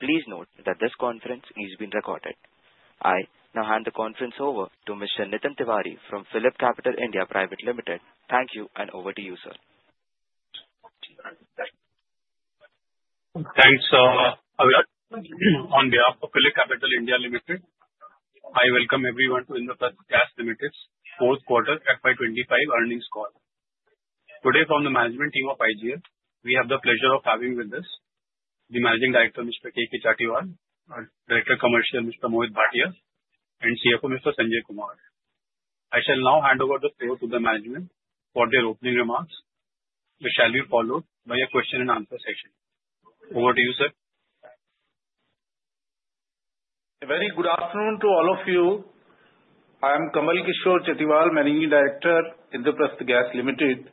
Please note that this conference is being recorded. I now hand the conference over to Mr. Nitin Tiwari from PhillipCapital (India) Private Limited. Thank you, and over to you, sir. Thanks, sir. On behalf of PhillipCapital (India) Private Limited, I welcome everyone to Indraprastha Gas Limited's fourth quarter FY 2025 earnings call. Today, from the management team of IGL, we have the pleasure of having with us the Managing Director, Mr. K. K. Chatiwal, Director Commercial, Mr. Mohit Bhatia, and CFO, Mr. Sanjay Kumar. I shall now hand over the floor to the management for their opening remarks, which shall be followed by a question-and-answer session. Over to you, sir. Very good afternoon to all of you. I am Kamal Kishore Chatiwal, Managing Director, Indraprastha Gas Limited,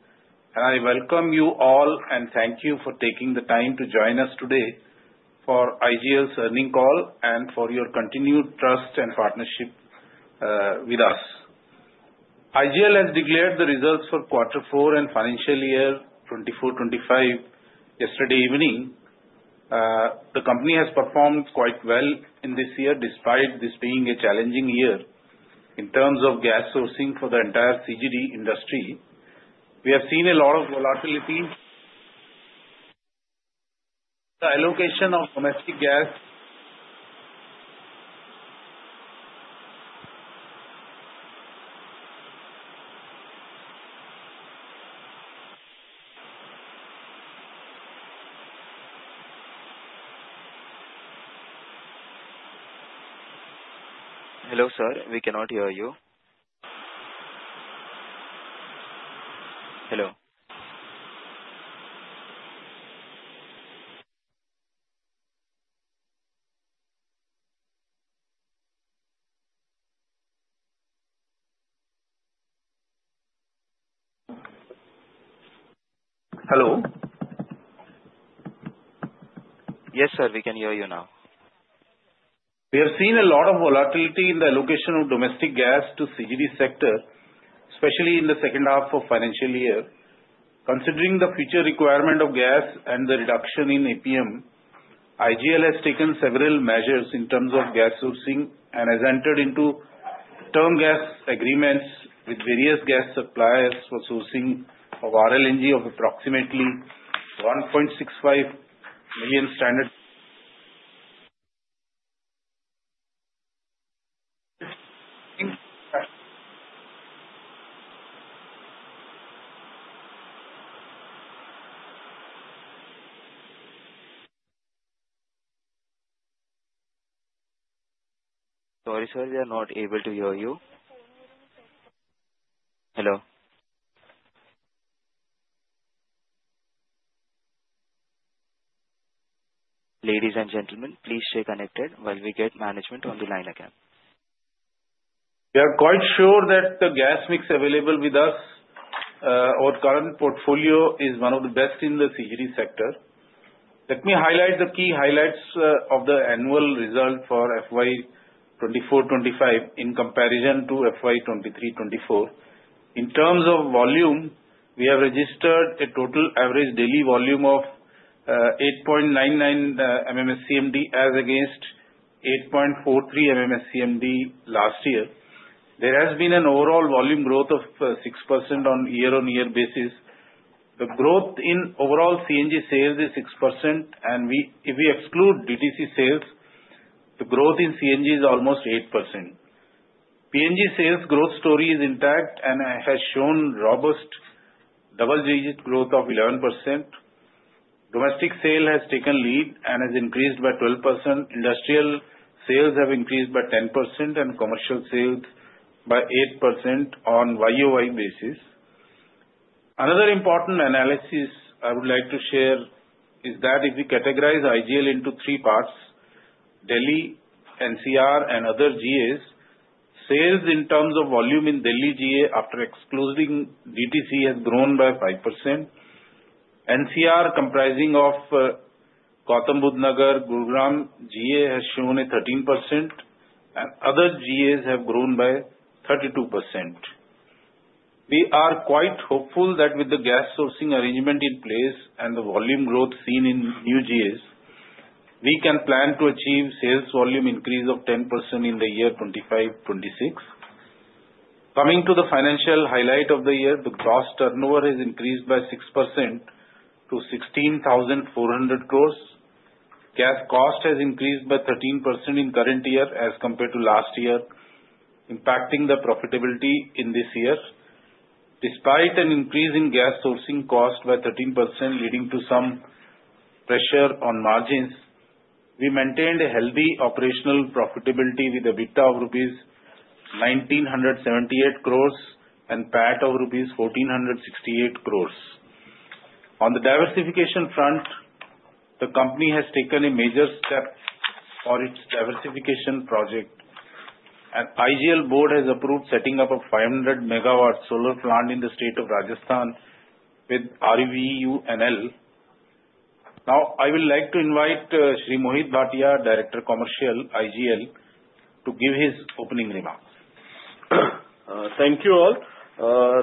and I welcome you all and thank you for taking the time to join us today for IGL's earnings call and for your continued trust and partnership with us. IGL has declared the results for Q4 and FY 2024-2025 yesterday evening. The company has performed quite well in this year despite this being a challenging year in terms of gas sourcing for the entire CGD industry. We have seen a lot of volatility. The allocation of domestic gas... Hello, sir. We cannot hear you. Hello. Hello? Yes, sir. We can hear you now. We have seen a lot of volatility in the allocation of domestic gas to the CGD sector, especially in the second half of the financial year. Considering the future requirement of gas and the reduction in APM, IGL has taken several measures in terms of gas sourcing and has entered into term gas agreements with various gas suppliers for sourcing of RLNG of approximately 1.65 million standard... Sorry, sir. We are not able to hear you. Hello. Ladies and gentlemen, please stay connected while we get management on the line again. We are quite sure that the gas mix available with us or current portfolio is one of the best in the CGD sector. Let me highlight the key highlights of the annual result for FY 2025 in comparison to FY 2024. In terms of volume, we have registered a total average daily volume of 8.99 MMSCMD as against 8.43 MMSCMD last year. There has been an overall volume growth of 6% on year-on-year basis. The growth in overall CNG sales is 6%, and if we exclude DTC sales, the growth in CNG is almost 8%. PNG sales growth story is intact and has shown robust double-digit growth of 11%. Domestic sale has taken lead and has increased by 12%. Industrial sales have increased by 10% and commercial sales by 8% on YOY basis. Another important analysis I would like to share is that if we categorize IGL into three parts: Delhi, NCR, and other GAs, sales in terms of volume in Delhi GA after excluding DTC has grown by 5%. NCR comprising of Gautam Budh Nagar, Gurugram GA has shown a 13%, and other GAs have grown by 32%. We are quite hopeful that with the gas sourcing arrangement in place and the volume growth seen in new GAs, we can plan to achieve sales volume increase of 10% in the year 2025-2026. Coming to the financial highlight of the year, the gross turnover has increased by 6% to 16,400 crores. Gas cost has increased by 13% in current year as compared to last year, impacting the profitability in this year. Despite an increase in gas sourcing cost by 13% leading to some pressure on margins, we maintained a healthy operational profitability with an EBITDA of rupees 1,978 crores and PAT of rupees 1,468 crores. On the diversification front, the company has taken a major step for its diversification project, and IGL board has approved setting up a 500 MW solar plant in the state of Rajasthan with RVUNL. Now, I would like to invite Shri Mohit Bhatia, Director (Commercial), IGL, to give his opening remarks. Thank you all.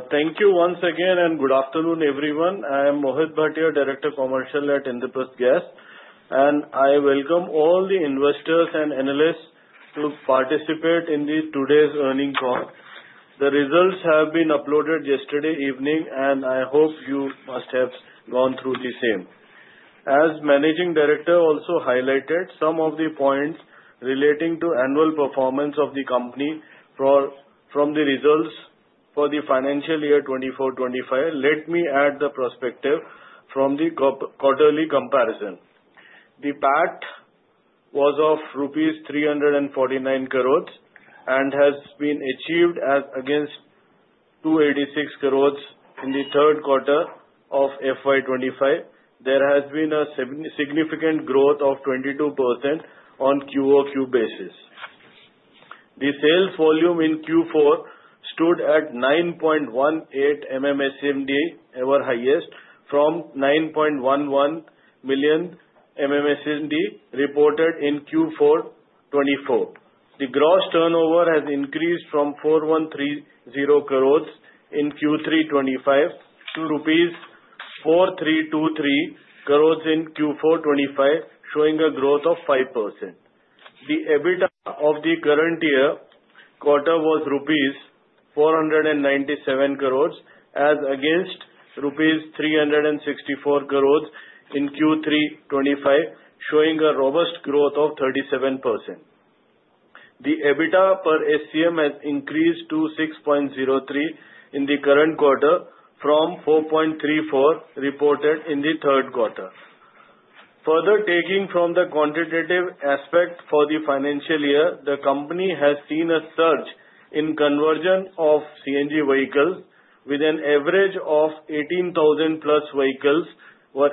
Thank you once again, and good afternoon, everyone. I am Mohit Bhatia, Director (Commercial) at Indraprastha Gas, and I welcome all the investors and analysts to participate in today's earnings call. The results have been uploaded yesterday evening, and I hope you must have gone through the same. As Managing Director also highlighted some of the points relating to annual performance of the company from the results for the financial year 2024-25, let me add the perspective from the quarterly comparison. The PAT was of 349 crores rupees and has been achieved against 286 crores in the third quarter of FY 2025. There has been a significant growth of 22% on QoQ basis. The sales volume in Q4 stood at 9.18 MMSCMD, our highest, from 9.11 million MMSCMD reported in Q4-24. The gross turnover has increased from 4,130 crores in Q3-25 to rupees 4,323 crores in Q4 2025, showing a growth of 5%. The EBITDA of the current year quarter was rupees 497 crores as against rupees 364 crores in Q3-2025, showing a robust growth of 37%. The EBITDA per SCM has increased to 6.03 in the current quarter from 4.34 reported in the third quarter. Further, taking from the quantitative aspect for the financial year, the company has seen a surge in conversion of CNG vehicles, with an average of 18,000+ vehicles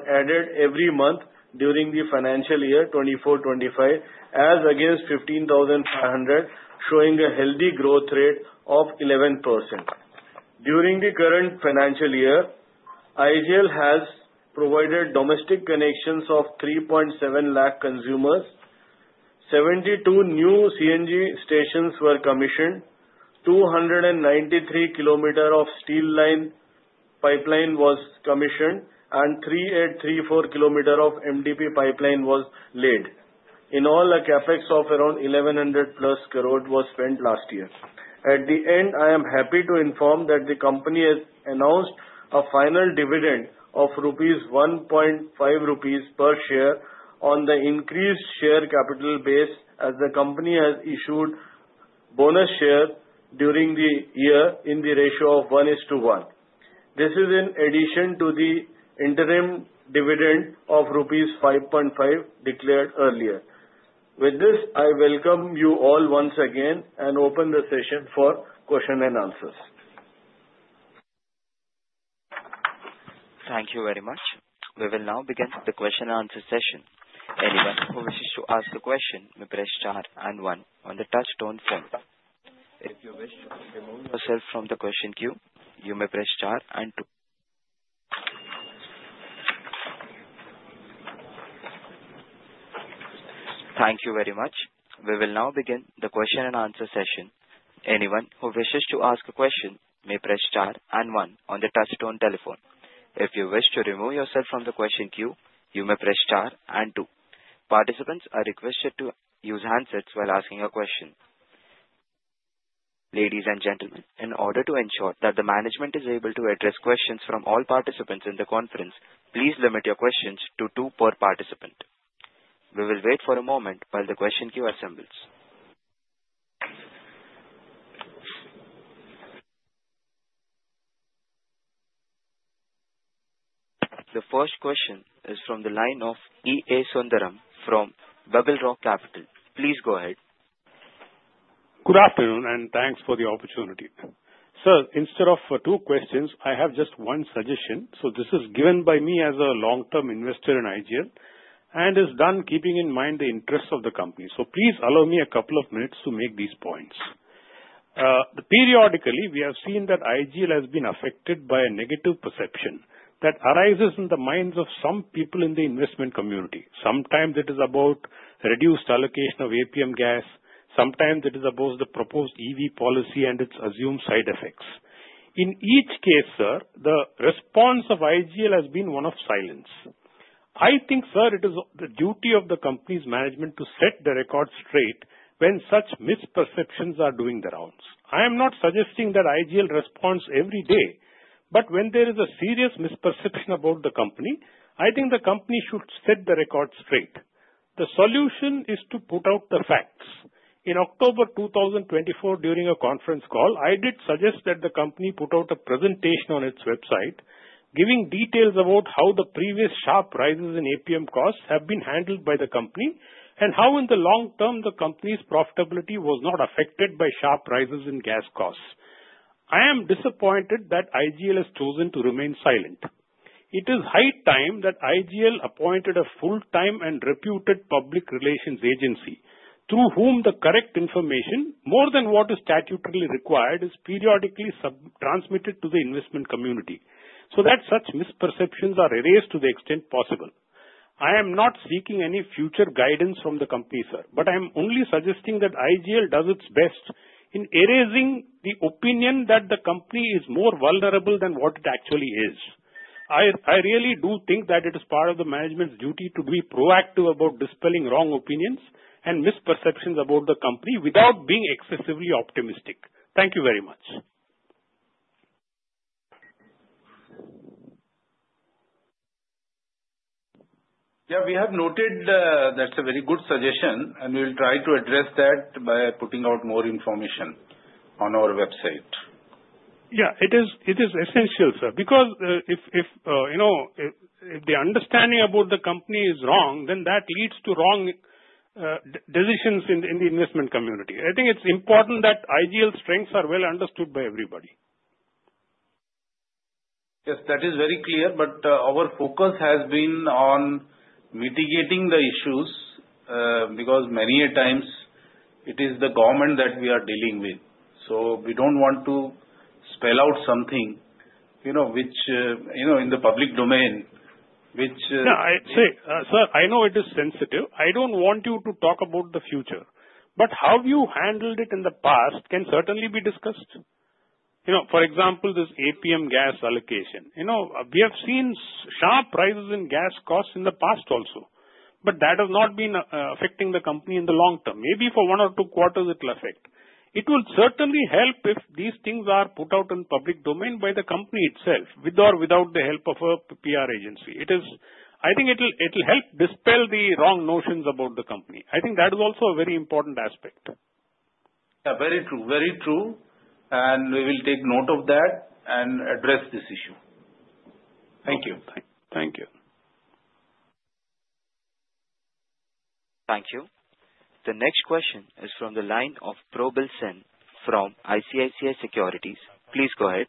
added every month during the financial year 2024-2025 as against 15,500, showing a healthy growth rate of 11%. During the current financial year, IGL has provided domestic connections of 3.7 lakh consumers, 72 new CNG stations were commissioned, 293 km of steel line pipeline was commissioned, and 3,834 km of MDP pipeline was laid. In all, a CapEx of around 1,100+ crores was spent last year. At the end, I am happy to inform that the company has announced a final dividend of 1.50 rupees per share on the increased share capital base as the company has issued bonus share during the year in the ratio of 1:1. This is in addition to the interim dividend of rupees 5.50 declared earlier. With this, I welcome you all once again and open the session for questions and answers. Thank you very much. We will now begin the question-and-answer session. Anyone who wishes to ask a question may press four and one on the touch-tone telephone. If you wish to remove yourself from the question queue, you may press four and two. Participants are requested to use handsets while asking a question. Ladies and gentlemen, in order to ensure that the management is able to address questions from all participants in the conference, please limit your questions to two per participant. We will wait for a moment while the question queue assembles. The first question is from the line of E. A. Sundaram from BugleRock Capital. Please go ahead. Good afternoon, and thanks for the opportunity. Sir, instead of two questions, I have just one suggestion. So this is given by me as a long-term investor in IGL and is done keeping in mind the interests of the company. So please allow me a couple of minutes to make these points. Periodically, we have seen that IGL has been affected by a negative perception that arises in the minds of some people in the investment community. Sometimes it is about reduced allocation of APM gas. Sometimes it is about the proposed EV policy and its assumed side effects. In each case, sir, the response of IGL has been one of silence. I think, sir, it is the duty of the company's management to set the record straight when such misperceptions are doing the rounds. I am not suggesting that IGL responds every day, but when there is a serious misperception about the company, I think the company should set the record straight. The solution is to put out the facts. In October 2024, during a conference call, I did suggest that the company put out a presentation on its website giving details about how the previous sharp rises in APM costs have been handled by the company and how in the long term, the company's profitability was not affected by sharp rises in gas costs. I am disappointed that IGL has chosen to remain silent. It is high time that IGL appointed a full-time and reputed public relations agency through whom the correct information, more than what is statutorily required, is periodically transmitted to the investment community so that such misperceptions are erased to the extent possible. I am not seeking any future guidance from the company, sir, but I am only suggesting that IGL does its best in erasing the opinion that the company is more vulnerable than what it actually is. I really do think that it is part of the management's duty to be proactive about dispelling wrong opinions and misperceptions about the company without being excessively optimistic. Thank you very much. Yeah, we have noted that's a very good suggestion, and we will try to address that by putting out more information on our website. Yeah, it is essential, sir, because if the understanding about the company is wrong, then that leads to wrong decisions in the investment community. I think it's important that IGL's strengths are well understood by everybody. Yes, that is very clear, but our focus has been on mitigating the issues because many times it is the government that we are dealing with. So we don't want to spell out something in the public domain which. Yeah, see, sir, I know it is sensitive. I don't want you to talk about the future, but how you handled it in the past can certainly be discussed. For example, this APM gas allocation. We have seen sharp rises in gas costs in the past also, but that has not been affecting the company in the long term. Maybe for one or two quarters it will affect. It will certainly help if these things are put out in the public domain by the company itself with or without the help of a PR agency. I think it will help dispel the wrong notions about the company. I think that is also a very important aspect. Yeah, very true, very true. And we will take note of that and address this issue. Thank you. Thank you. Thank you. The next question is from the line of Probal Sen from ICICI Securities. Please go ahead.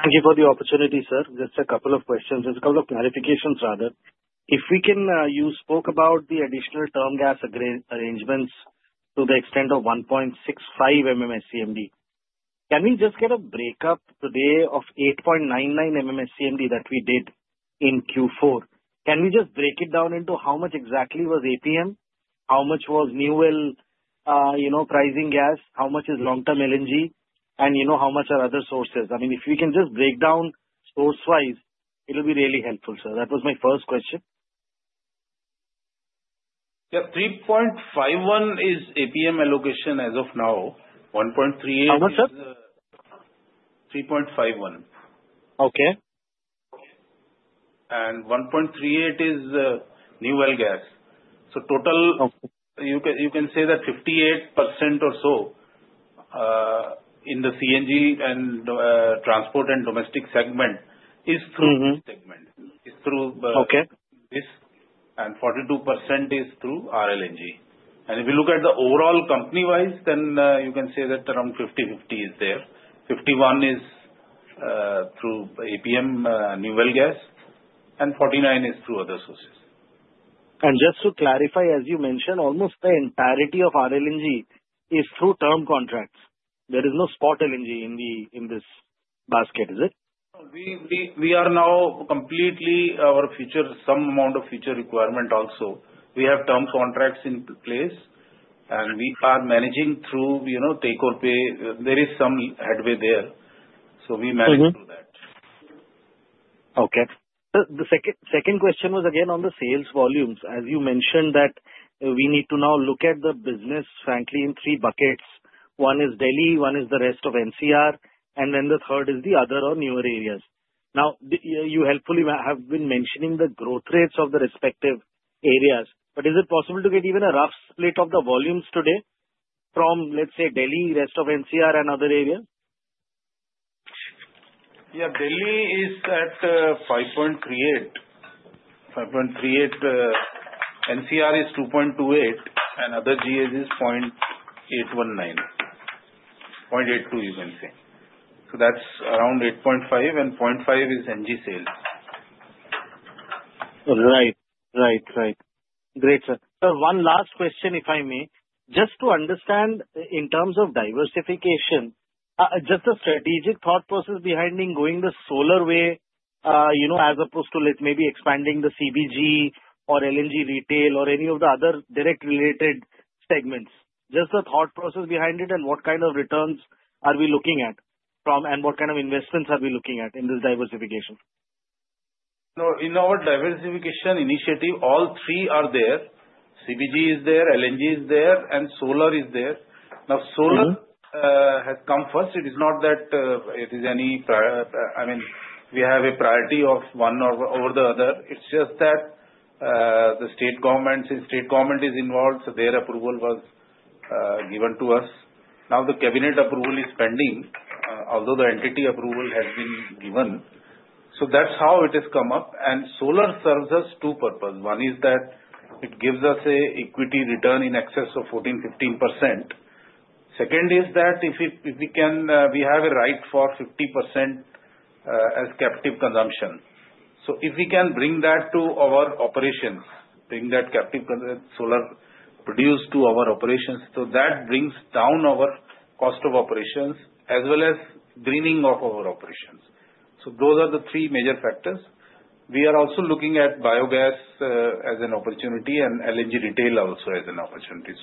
Thank you for the opportunity, sir. Just a couple of questions. Just a couple of clarifications, rather. If you can, you spoke about the additional term gas arrangements to the extent of 1.65 MMSCMD. Can we just get a break-up today of 8.99 MMSCMD that we did in Q4? Can we just break it down into how much exactly was APM? How much was new well pricing gas? How much is long-term LNG? And how much are other sources? I mean, if we can just break down source-wise, it will be really helpful, sir. That was my first question. Yeah, 3.51 is APM allocation as of now. 1.38. How much, sir? 3.51. Okay. And 1.38 is new well gas. So total you can say that 58% or so in the CNG and transport and domestic segment is through this segment. It's through this, and 42% is through RLNG. And if we look at the overall company-wise, then you can say that around 50/50 is there. 51 is through APM new well gas, and 49 is through other sources. Just to clarify, as you mentioned, almost the entirety of RLNG is through term contracts. There is no spot LNG in this basket, is it? We are now completely our future, some amount of future requirement also. We have term contracts in place, and we are managing through take-or-pay. There is some headway there, so we manage through that. Okay. The second question was again on the sales volumes. As you mentioned that we need to now look at the business, frankly, in three buckets. One is Delhi, one is the rest of NCR, and then the third is the other or newer areas. Now, you helpfully have been mentioning the growth rates of the respective areas, but is it possible to get even a rough split of the volumes today from, let's say, Delhi, rest of NCR, and other areas? Yeah, Delhi is at 5.38. 5.38. NCR is 2.28, and other GAs is 0.819, 0.82, you can say. So that's around 8.5, and 0.5 is NG sales. Right, right, right. Great, sir. Sir, one last question, if I may. Just to understand in terms of diversification, just the strategic thought process behind going the solar way as opposed to maybe expanding the CBG or LNG retail or any of the other direct-related segments. Just the thought process behind it and what kind of returns are we looking at and what kind of investments are we looking at in this diversification? No, in our diversification initiative, all three are there. CBG is there, LNG is there, and solar is there. Now, solar has come first. It is not that it is any. I mean, we have a priority of one over the other. It's just that the state government since state government is involved, so their approval was given to us. Now, the cabinet approval is pending, although the entity approval has been given. So that's how it has come up. And solar serves us two purposes. One is that it gives us an equity return in excess of 14%-15%. Second is that if we can we have a right for 50% as captive consumption. So if we can bring that to our operations, bring that captive solar produced to our operations, so that brings down our cost of operations as well as greening of our operations. Those are the three major factors. We are also looking at biogas as an opportunity and LNG retail also as an opportunity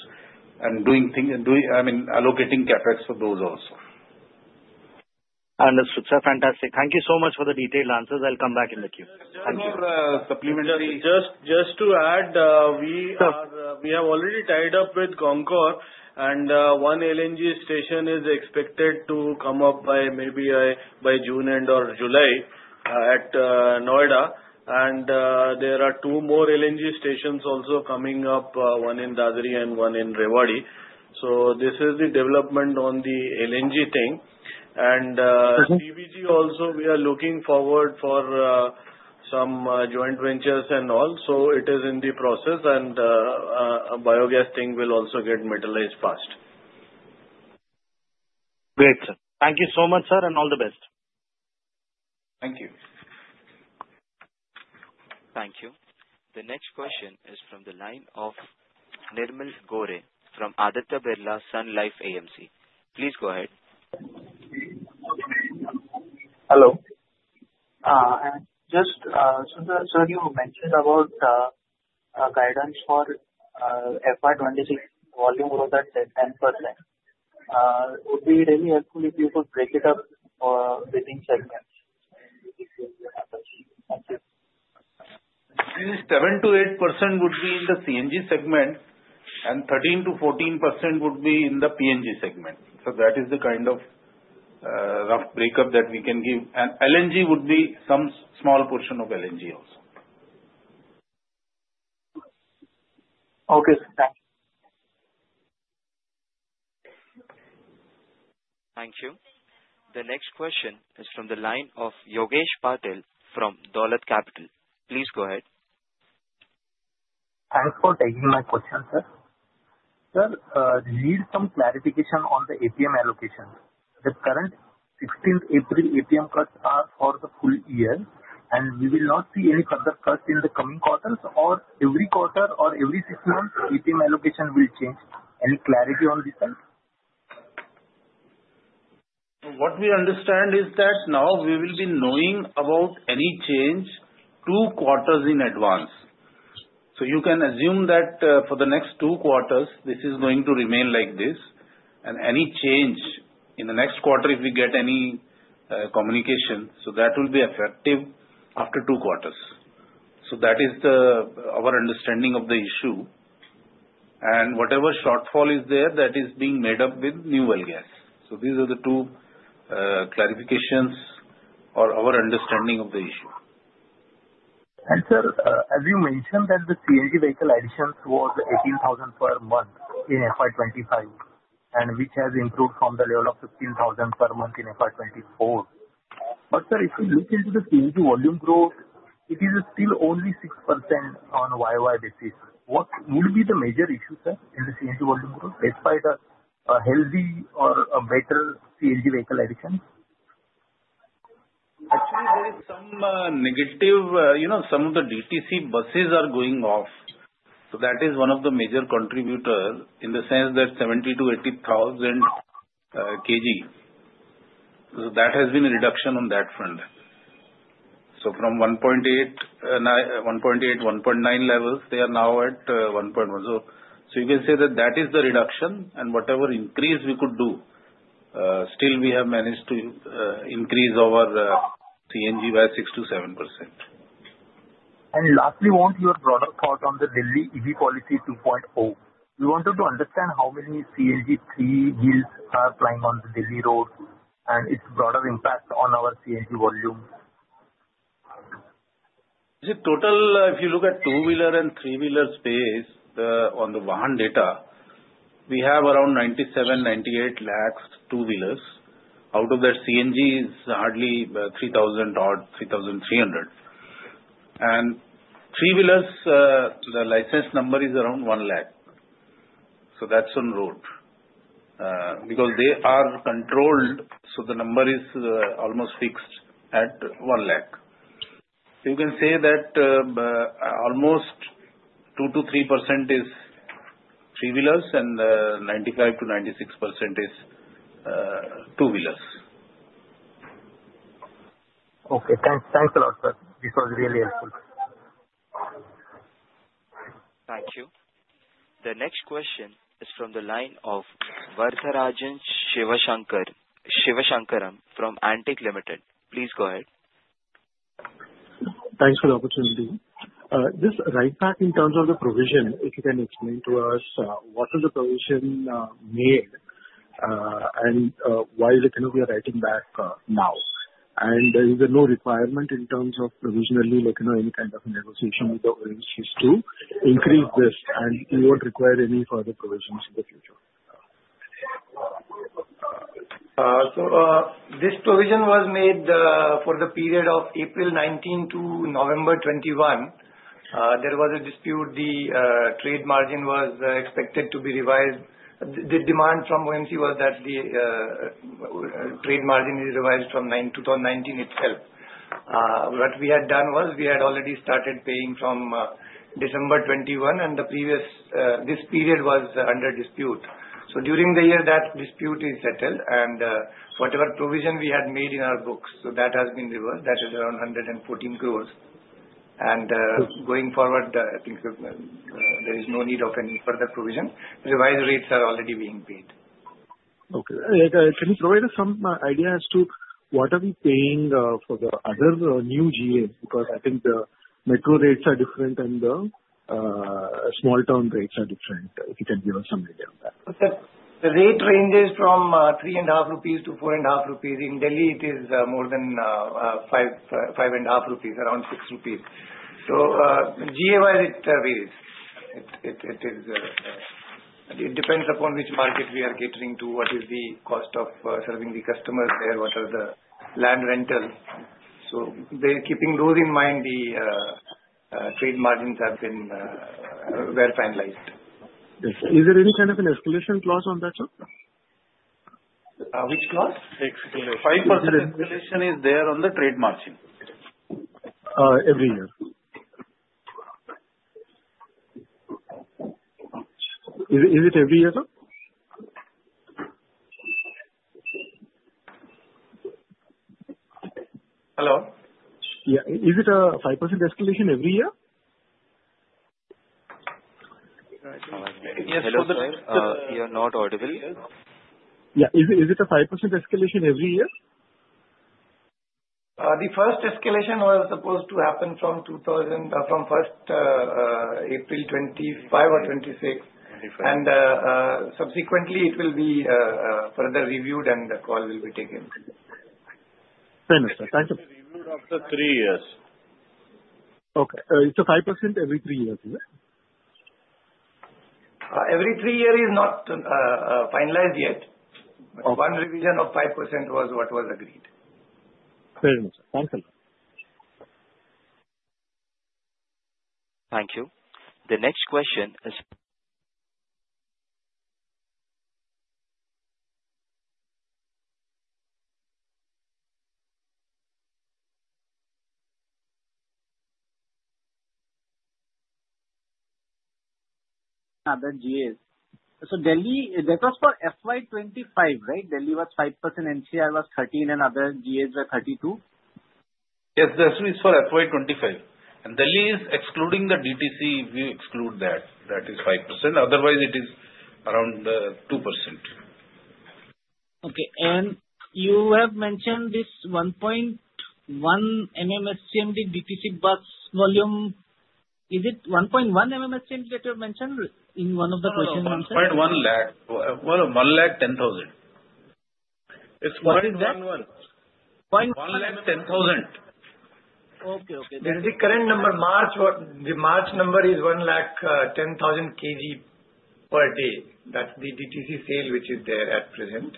and doing things I mean, allocating CapEx for those also. Understood, sir. Fantastic. Thank you so much for the detailed answers. I'll come back in the queue. One more supplementary. Just to add, we have already tied up with CONCOR, and one LNG station is expected to come up by maybe by June end or July at Noida, and there are two more LNG stations also coming up, one in Dadri and one in Rewari, so this is the development on the LNG thing, and CBG also, we are looking forward for some joint ventures and all, so it is in the process, and biogas thing will also get materialized fast. Great, sir. Thank you so much, sir, and all the best. Thank you. Thank you. The next question is from the line of Nirmal Gore from Aditya Birla Sun Life AMC. Please go ahead. Hello. Just, sir, you mentioned about guidance for FY 2026 volume growth at 10%. Would be really helpful if you could break it up within segments. 7%-8% would be in the CNG segment, and 13%-14% would be in the PNG segment. So that is the kind of rough breakup that we can give, and LNG would be some small portion of LNG also. Okay, sir. Thank you. Thank you. The next question is from the line of Yogesh Patil from Dolat Capital. Please go ahead. Thanks for taking my question, sir. Sir, we need some clarification on the APM allocation. The current 16th April APM cuts are for the full year, and we will not see any further cuts in the coming quarters, or every quarter or every six months APM allocation will change? Any clarity on this side? What we understand is that now we will be knowing about any change two quarters in advance. So you can assume that for the next two quarters, this is going to remain like this. And any change in the next quarter, if we get any communication, so that will be effective after two quarters. So that is our understanding of the issue. And whatever shortfall is there, that is being made up with New Well Gas. So these are the two clarifications or our understanding of the issue. And sir, as you mentioned that the CNG vehicle additions was 18,000 per month in FY 2025, and which has improved from the level of 15,000 per month in FY 2024. But sir, if we look into the CNG volume growth, it is still only 6% on YoY basis. What would be the major issue, sir, in the CNG volume growth despite a healthy or better CNG vehicle additions? Actually, there is some negative. Some of the DTC buses are going off. So that is one of the major contributors in the sense that 70,000 kg-80,000 kg. So that has been a reduction on that front. So from 1.8-1.9 levels, they are now at 1.1. So you can say that that is the reduction, and whatever increase we could do, still we have managed to increase our CNG by 6%-7%. Lastly, what's your broader thought on the Delhi EV Policy 2.0? We wanted to understand how many CNG three-wheelers are flying on the Delhi road and its broader impact on our CNG volume. Total, if you look at two-wheeler and three-wheeler space on the Vahan data, we have around 97 lakhs-98 lakhs two-wheelers. Out of that, CNG is hardly 3,000 or 3,300, and three-wheelers, the license number is around 1 lakh. So that's on road. Because they are controlled, so the number is almost fixed at 1 lakh. You can say that almost 2%-3% is three-wheelers and 95%-96% is two-wheelers. Okay. Thanks a lot, sir. This was really helpful. Thank you. The next question is from the line of Varatharajan Sivasankaran from Antique Limited. Please go ahead. Thanks for the opportunity. Just right back in terms of the provision, if you can explain to us what is the provision made and why we are writing back now, and there is no requirement in terms of provisionally looking at any kind of negotiation with the agencies to increase this, and we won't require any further provisions in the future. This provision was made for the period of April 2019 to November 2021. There was a dispute. The trade margin was expected to be revised. The demand from OMC was that the trade margin is revised from 2019 itself. What we had done was we had already started paying from December 2021, and this period was under dispute. So during the year, that dispute is settled, and whatever provision we had made in our books, so that has been reversed. That is around 114 crores. And going forward, I think there is no need of any further provision. Revised rates are already being paid. Okay. Can you provide us some idea as to what are we paying for the other new GAs? Because I think the metro rates are different and the small town rates are different. If you can give us some idea on that. The rate ranges from 3.5 rupees to 4.5 rupees. In Delhi, it is more than 5.5 rupees, around 6 rupees. So GA-wise, it varies. It depends upon which market we are catering to, what is the cost of serving the customers there, what are the land rentals. So keeping those in mind, the trade margins have been well finalized. Is there any kind of an escalation clause on that, sir? Which clause? Explanation. 5% escalation is there on the trade margin. Every year. Is it every year, sir? Hello? Yeah. Is it a 5% escalation every year? Yes, for the. Hello, sir. You are not audible. Yeah. Is it a 5% escalation every year? The first escalation was supposed to happen from 1st April 2025 or 2026, and subsequently, it will be further reviewed and the call will be taken. Fair enough, sir. Thank you. It will be reviewed after three years. Okay. It's a 5% every three years, is it? Every three years is not finalized yet. One revision of 5% was what was agreed. Fair enough, sir. Thanks a lot. Thank you. The next question is. Other GAs. So Delhi, that was for FY 2025, right? Delhi was 5%, NCR was 13%, and other GAs were 32? Yes, the SU is for FY 2025. And Delhi is excluding the DTC if we exclude that. That is 5%. Otherwise, it is around 2%. Okay. And you have mentioned this 1.1 MMSCMD DTC bus volume. Is it 1.1 MMSCMD that you have mentioned in one of the questions? 1.1 lakh. 1 lakh 10,000. It's 1.1. 1 lakh 10,000. Okay, okay. This is the current number. March number is 1 lakh 10,000 kg per day. That's the DTC sale which is there at present.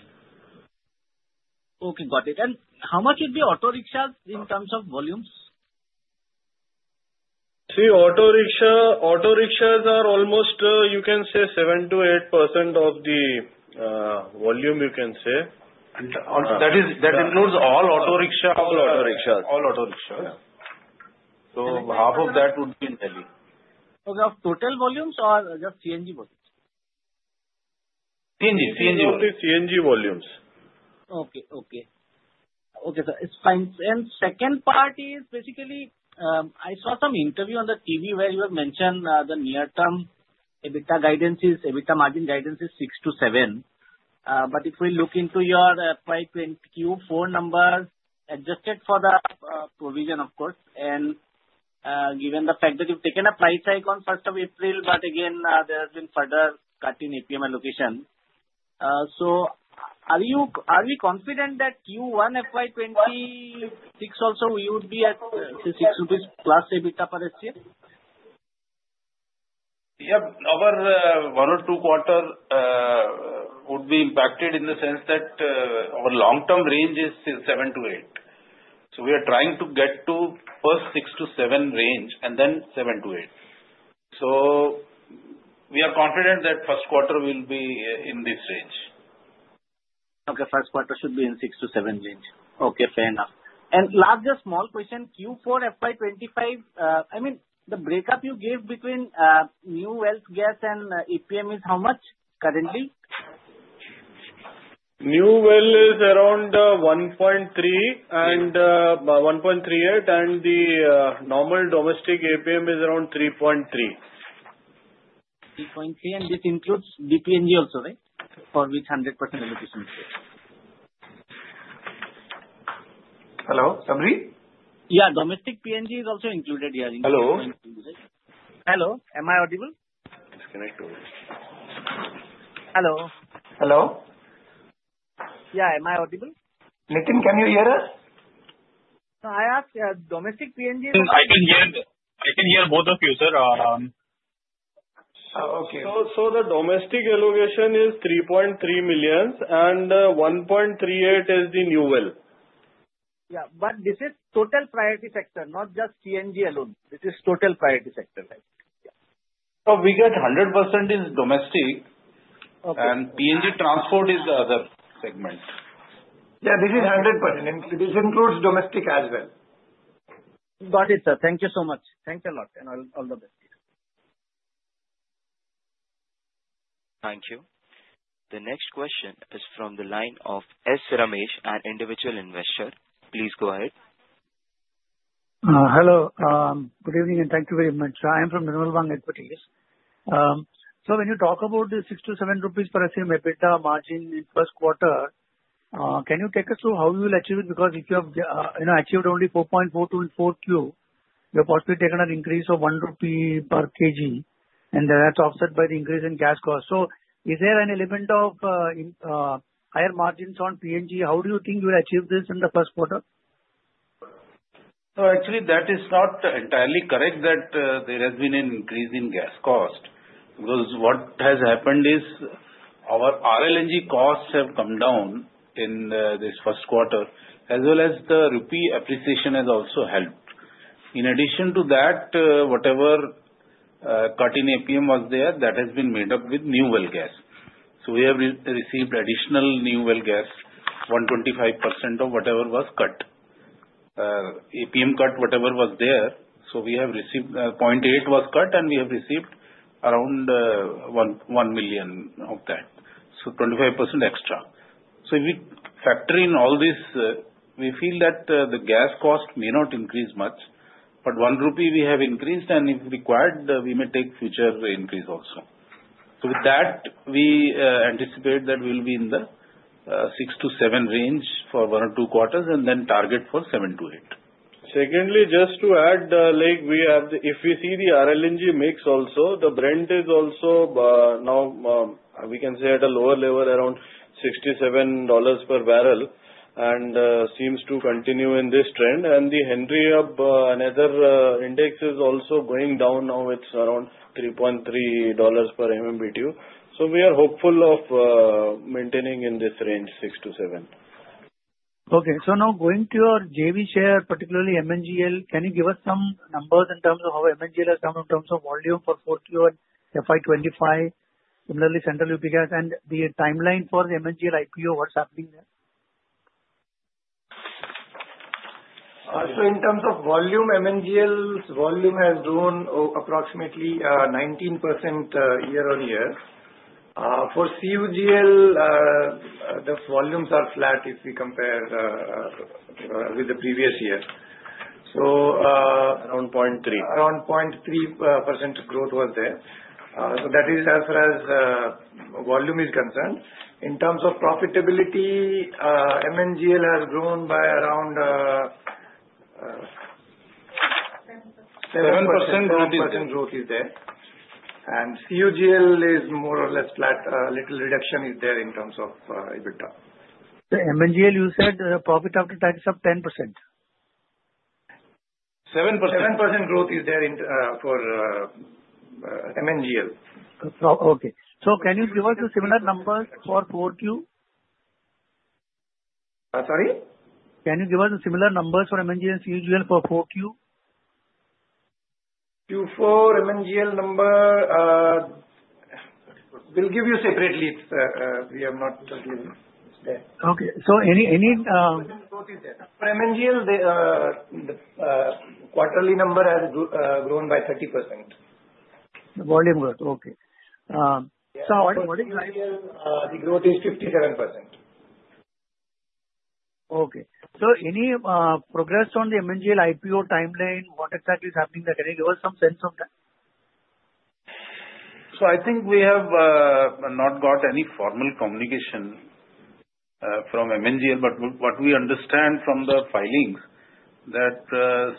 Okay. Got it. And how much is the auto rickshaws in terms of volumes? See, auto rickshaws are almost, you can say, 7%-8% of the volume, you can say. That includes all auto rickshaws. So half of that would be in Delhi. Okay. Of total volumes or just CNG volumes? CNG. CNG volumes. Okay. Okay. Okay, sir. It's fine. And second part is basically, I saw some interview on the TV where you have mentioned the near-term EBITDA guidances, EBITDA margin guidances 6-7. But if we look into your FY 2020 Q4 number, adjusted for the provision, of course, and given the fact that you've taken a price hike on first of April, but again, there has been further cutting APM allocation. So are we confident that Q1 FY 2026 also we would be at 6+ EBITDA per SCM? Yep. Our one or two quarter would be impacted in the sense that our long-term range is 7-8. So we are trying to get to first 6-7 range and then 7-8. So we are confident that first quarter will be in this range. Okay. First quarter should be in 6 to 7 range. Okay. Fair enough. And last just small question, Q4 FY 2025, I mean, the breakup you gave between new well gas and APM is how much currently? New well is around 1.3-1.38, and the normal domestic APM is around 3.3. This includes DPNG also, right? For which 100% allocation? Hello? Summary? Yeah. Domestic PNG is also included here. Hello. Hello. Am I audible? Disconnected. Hello. Hello. Yeah. Am I audible? Nitin, can you hear us? I asked domestic PNG. I can hear both of you, sir. So the domestic allocation is 3.3 million and 1.38 is the new well. Yeah. But this is total priority sector, not just CNG alone. This is total priority sector. We get 100% is domestic, and PNG transport is the other segment. Yeah. This is 100%. This includes domestic as well. Got it, sir. Thank you so much. Thanks a lot. And all the best. Thank you. The next question is from the line of S. Ramesh, an individual investor. Please go ahead. Hello. Good evening and thank you very much. I am from Nirmal Bang Equities. So when you talk about the 6-7 rupees per se EBITDA margin in first quarter, can you take us through how you will achieve it? Because if you have achieved only 4.42 in 4Q, you have possibly taken an increase of 1 rupee per kg, and that's offset by the increase in gas cost. So is there an element of higher margins on PNG? How do you think you will achieve this in the first quarter? Actually, that is not entirely correct that there has been an increase in gas cost. Because what has happened is our RLNG costs have come down in this first quarter, as well as the rupee appreciation has also helped. In addition to that, whatever cutting APM was there, that has been made up with new well gas. So we have received additional new well gas, 125% of whatever was cut. APM cut, whatever was there. So we have received 0.8 was cut, and we have received around 1 million of that. So 25% extra. So if we factor in all this, we feel that the gas cost may not increase much, but 1 rupee we have increased, and if required, we may take future increase also. With that, we anticipate that we will be in the 6-7 range for one or two quarters, and then target for 7-8. Secondly, just to add, if we see the RLNG mix also, the Brent is also now, we can say, at a lower level, around $67 per barrel, and seems to continue in this trend. The Henry Hub, another index is also going down now, it's around $3.3 per MMBTU. We are hopeful of maintaining in this range, 6-7. Now going to your JV share, particularly MNGL, can you give us some numbers in terms of how MNGL has come in terms of volume for 4Q and FY 2025, similarly Central U.P. Gas? And the timeline for the MNGL IPO, what's happening there? In terms of volume, MNGL's volume has grown approximately 19% year-on-year. For CUGL, the volumes are flat if we compare with the previous year. Around 0.3. Around 0.3% growth was there. That is as far as volume is concerned. In terms of profitability, MNGL has grown by around 7%. 7% growth is there. CUGL is more or less flat. A little reduction is there in terms of EBITDA. So MNGL, you said profit after tax of 10%? 7%. 7% growth is there for MNGL. Okay. So can you give us the similar numbers for 4Q? Sorry? Can you give us the similar numbers for MNGL, CUGL for 4Q? Q4 MNGL number, we'll give you separately. We have not given it there. Okay, so any. Growth is there. For MNGL, the quarterly number has grown by 30%. The volume growth. Okay. So how. For MNGL, the growth is 57%. Okay, so any progress on the MNGL IPO timeline? What exactly is happening there? Can you give us some sense of that? So, I think we have not got any formal communication from MNGL, but what we understand from the filings that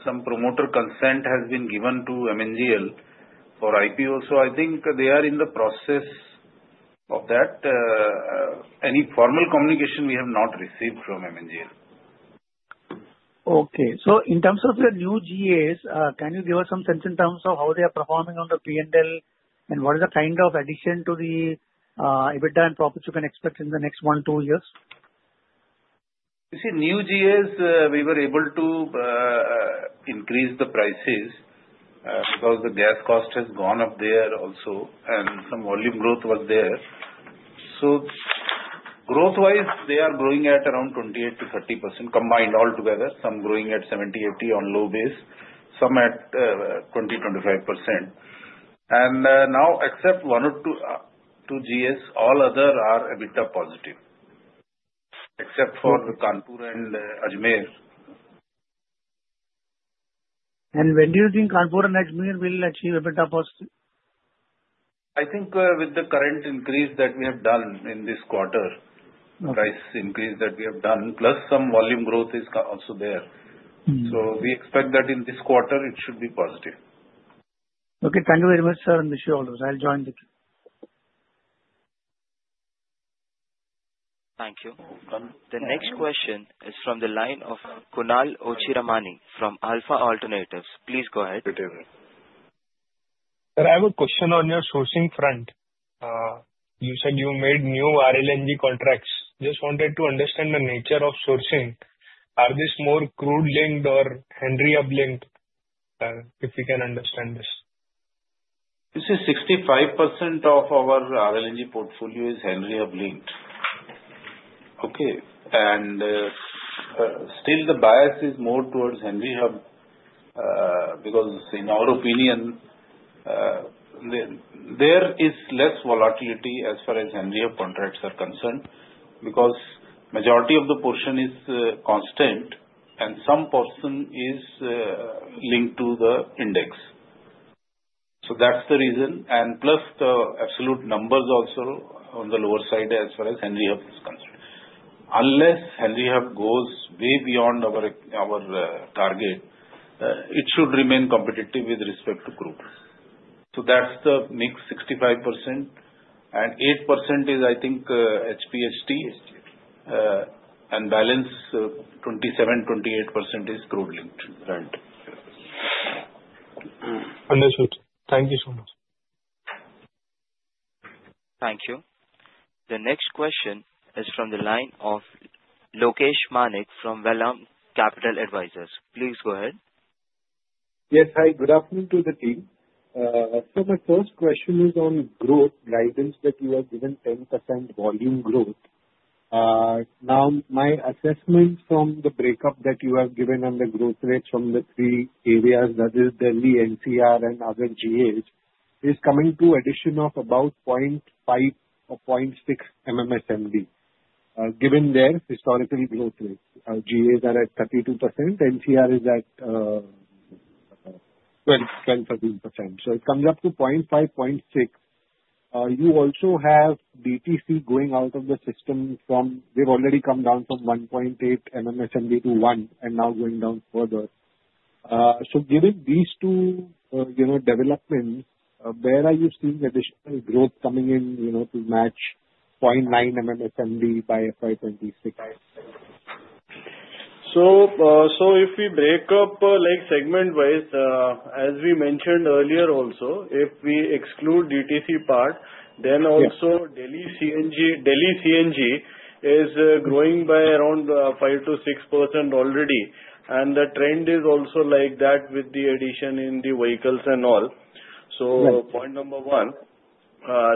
some promoter consent has been given to MNGL for IPO. So, I think they are in the process of that. Any formal communication, we have not received from MNGL. Okay. So in terms of the new GAs, can you give us some sense in terms of how they are performing on the P&L, and what is the kind of addition to the EBITDA and profit you can expect in the next one to two years? You see, new GAs, we were able to increase the prices because the gas cost has gone up there also, and some volume growth was there. So growth-wise, they are growing at around 28%-30% combined altogether, some growing at 70%-80% on low base, some at 20%-25%. And now, except one or two GAs, all other are EBITDA positive, except for the Kanpur and Ajmer. When do you think Kanpur and Ajmer will achieve EBITDA positive? I think with the current increase that we have done in this quarter, price increase that we have done, plus some volume growth is also there. So we expect that in this quarter, it should be positive. Okay. Thank you very much, sir, on the show. I'll join the team. Thank you. The next question is from the line of Kunal Ochiramani from Alpha Alternatives. Please go ahead. Sir, I have a question on your sourcing front. You said you made new RLNG contracts. Just wanted to understand the nature of sourcing. Are these more crude-linked or Henry Hub-linked? If we can understand this. You see, 65% of our RLNG portfolio is Henry Hub-linked. Okay. And still, the bias is more towards Henry Hub because, in our opinion, there is less volatility as far as Henry Hub contracts are concerned because majority of the portion is constant, and some portion is linked to the index. So that's the reason. And plus the absolute numbers also on the lower side as far as Henry Hub is concerned. Unless Henry Hub goes way beyond our target, it should remain competitive with respect to crude. So that's the mix: 65%, and 8% is, I think, HPHT, and balance 27%-28% is crude-linked Brent. Understood. Thank you so much. Thank you. The next question is from the line of Lokesh Manik from Vallum Capital Advisors. Please go ahead. Yes. Hi. Good afternoon to the team. So my first question is on growth guidance that you have given 10% volume growth. Now, my assessment from the breakup that you have given on the growth rates from the three areas, that is Delhi, NCR, and other GAs, is coming to addition of about 0.5 or 0.6 MMSCMD given their historical growth rates. GAs are at 32%. NCR is at 12-13%. So it comes up to 0.5, 0.6. You also have DTC going out of the system from. They've already come down from 1.8 MMSCMD to 1 and now going down further. So given these two developments, where are you seeing additional growth coming in to match 0.9 MMSCMD by FY 2026? So if we break up segment-wise, as we mentioned earlier also, if we exclude DTC part, then also Delhi CNG is growing by around 5%-6% already. And the trend is also like that with the addition in the vehicles and all. So point number one.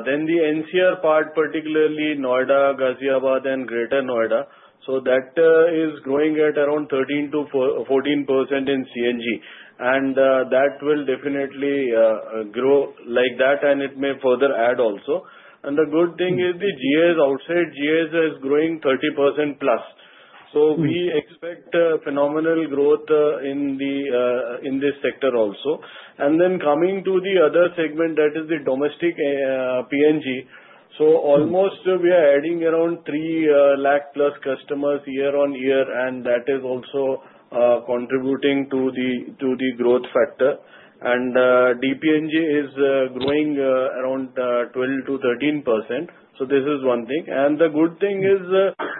Then the NCR part, particularly Noida, Ghaziabad, and Greater Noida. So that is growing at around 13%-14% in CNG. And that will definitely grow like that, and it may further add also. And the good thing is the GAs outside GAs is growing 30%+. So we expect phenomenal growth in this sector also. And then coming to the other segment, that is the domestic PNG. So almost we are adding around 3 lakh plus customers year-on-year, and that is also contributing to the growth factor. And DPNG is growing around 12%-13%. So this is one thing. And the good thing is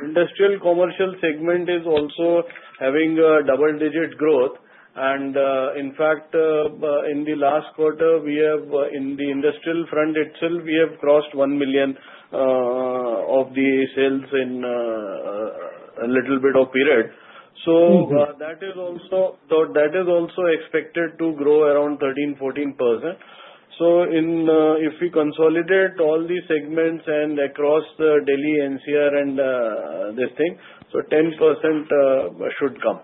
industrial commercial segment is also having double-digit growth. And in fact, in the last quarter, in the industrial front itself, we have crossed 1 million of the sales in a little bit of period. So that is also expected to grow around 13%-14%. So if we consolidate all the segments and across Delhi, NCR, and this thing, so 10% should come.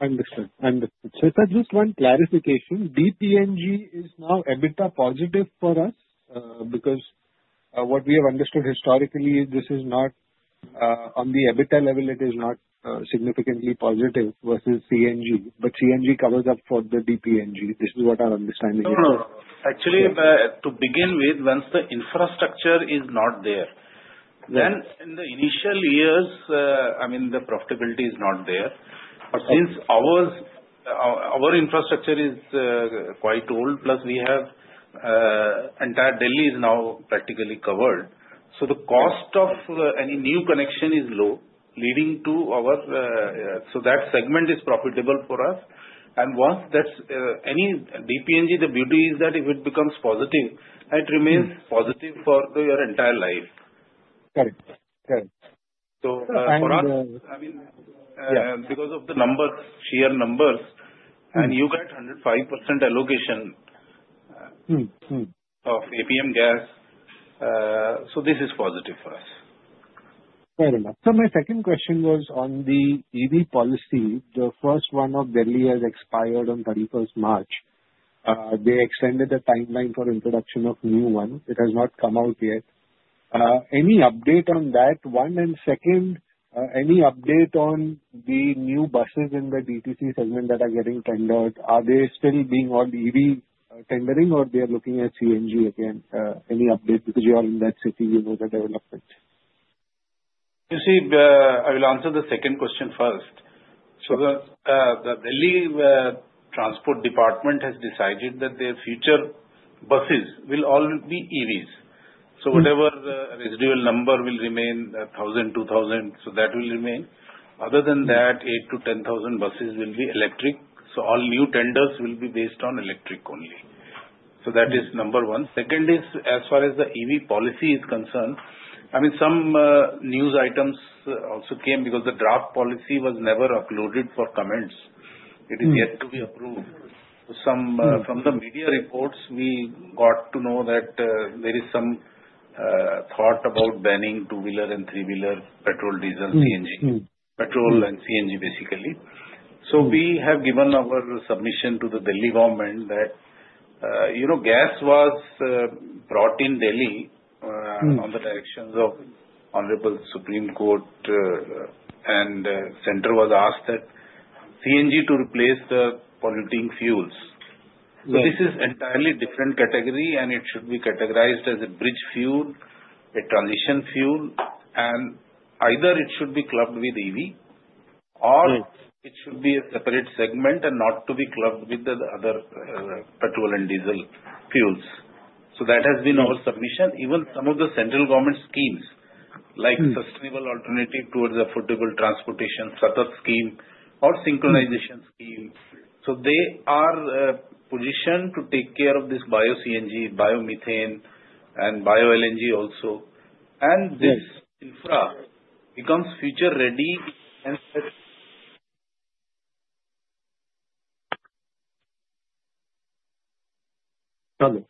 Understood. Understood. So sir, just one clarification. DPNG is now EBITDA positive for us because what we have understood historically, this is not on the EBITDA level, it is not significantly positive versus CNG. But CNG covers up for the DPNG. This is what our understanding is. Actually, to begin with, once the infrastructure is not there, then in the initial years, I mean, the profitability is not there. But since our infrastructure is quite old, plus we have entire Delhi is now practically covered, so the cost of any new connection is low, leading to our so that segment is profitable for us. And once that's any DPNG, the beauty is that if it becomes positive, it remains positive for your entire life. Correct. Correct. So for us, I mean, because of the numbers, sheer numbers, and you got 105% allocation of APM gas, so this is positive for us. Fair enough. So my second question was on the EV policy. The first one of Delhi has expired on 31st March. They extended the timeline for introduction of new one. It has not come out yet. Any update on that one? And second, any update on the new buses in the DTC segment that are getting tendered? Are they still being on EV tendering, or they are looking at CNG again? Any update? Because you are in that city, you know the developments. You see, I will answer the second question first. So the Delhi Transport Department has decided that their future buses will all be EVs. So whatever residual number will remain, 1,000, 2,000, so that will remain. Other than that, 8,000-10,000 buses will be electric. So all new tenders will be based on electric only. So that is number one. Second is, as far as the EV policy is concerned, I mean, some news items also came because the draft policy was never uploaded for comments. It is yet to be approved. From the media reports, we got to know that there is some thought about banning two-wheeler and three-wheeler, petrol, diesel, CNG, petrol and CNG, basically. So we have given our submission to the Delhi government that gas was brought in Delhi on the directions of Honorable Supreme Court, and the center was asked that CNG to replace the polluting fuels. So this is entirely different category, and it should be categorized as a bridge fuel, a transition fuel, and either it should be clubbed with EV or it should be a separate segment and not to be clubbed with the other petrol and diesel fuels. So that has been our submission. Even some of the central government schemes, like sustainable alternative towards affordable transportation, SATAT scheme, or synchronization scheme, so they are positioned to take care of this Bio-CNG, bio-methane, and Bio-LNG also. And this infra becomes future-ready. Hello. Hello. Ladies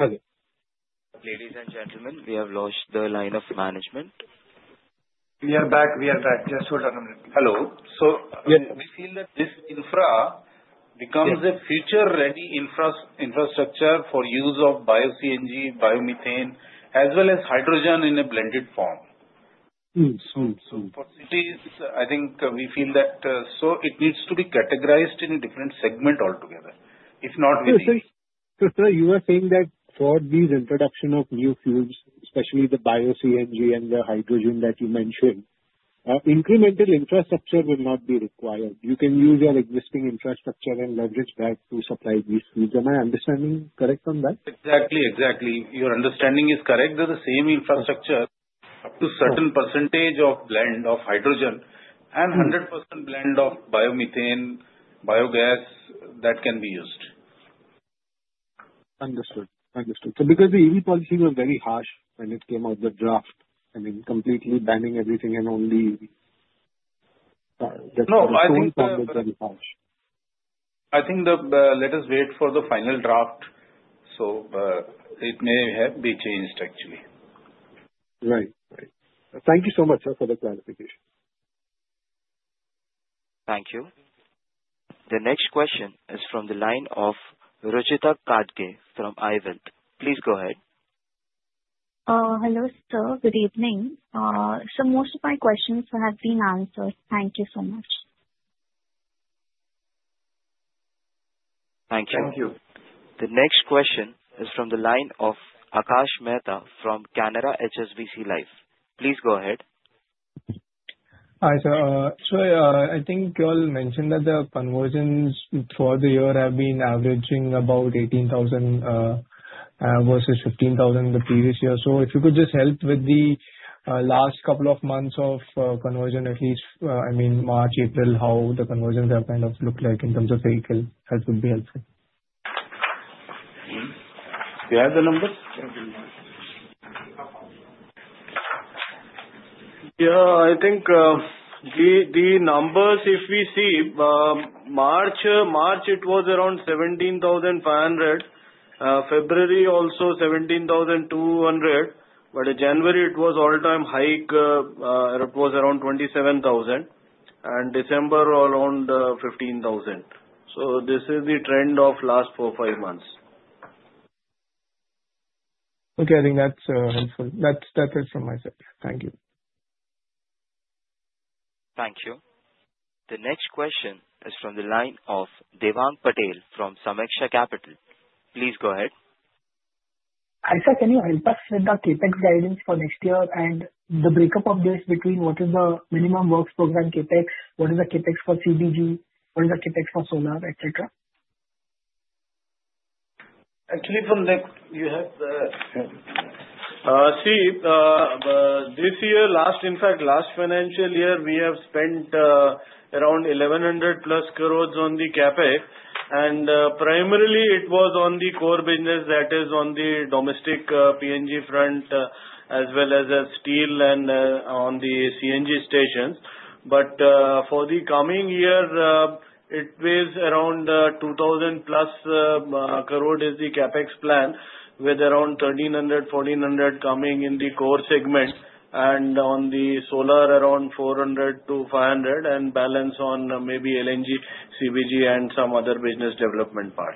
and gentlemen, we have the line open for management. We are back. We are back. Just hold on a minute. Hello. So we feel that this infra becomes a future-ready infrastructure for use of Bio-CNG, bio-methane, as well as hydrogen in a blended form. For cities, I think we feel that so it needs to be categorized in a different segment altogether. If not, we will. So sir, you were saying that for these introduction of new fuels, especially the Bio-CNG and the hydrogen that you mentioned, incremental infrastructure will not be required. You can use your existing infrastructure and leverage that to supply these fuels. Am I understanding correct on that? Exactly. Exactly. Your understanding is correct. There's the same infrastructure up to certain percentage of blend of hydrogen and 100% blend of biomethane, biogas that can be used. Understood. Understood. So because the EV policy was very harsh when it came out, the draft, I mean, completely banning everything and only. No, I think. The phone call was very harsh. I think, then let's wait for the final draft, so it may have been changed, actually. Right. Right. Thank you so much, sir, for the clarification. Thank you. The next question is from the line of Ruchita Ghadge from I-Wealth. Please go ahead. Hello, sir. Good evening. So most of my questions have been answered. Thank you so much. Thank you. Thank you. The next question is from the line of Akash Mehta from Canara HSBC Life Insurance. Please go ahead. Hi, sir. So I think you all mentioned that the conversions throughout the year have been averaging about 18,000 versus 15,000 the previous year. So if you could just help with the last couple of months of conversion, at least, I mean, March, April, how the conversions have kind of looked like in terms of vehicle, that would be helpful. Do you have the numbers? Yeah. I think the numbers, if we see, March it was around 17,500. February also 17,200. But in January, it was all-time high. It was around 27,000. And December around 15,000. So this is the trend of last four, five months. Okay. I think that's helpful. That's it from my side. Thank you. Thank you. The next question is from the line of Devang Patel from Sameeksha Capital. Please go ahead. Isaac, can you help us with the CapEx guidance for next year and the break-up of this between what is the minimum works program CapEx, what is the CapEx for CBG, what is the CapEx for solar, etc.? Actually, this year, in fact, last financial year, we have spent around 1,100+ crores on the CapEx. Primarily, it was on the core business, that is, on the domestic PNG front as well as steel and on the CNG stations. For the coming year, it was around 2,000+ crore is the CapEx plan, with around 1,300-1,400 coming in the core segment, and on the solar, around 400-500, and balance on maybe LNG, CBG, and some other business development part.